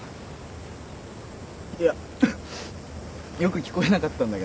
いやよく聞こえなかったんだけど。